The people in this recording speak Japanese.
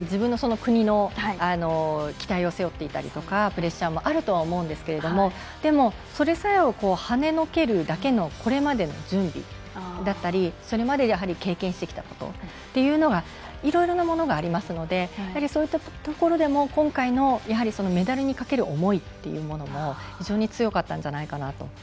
やはり、いろんな選手が自分の国の期待を背負っていたりとかプレッシャーもあると思いますがでも、それさえ跳ねのけるだけのこれまでの準備だったりそれまで、経験してきたことなどいろいろなものがありますのでそういったところでも今回のメダルにかける思いも非常に強かったんじゃないかなと。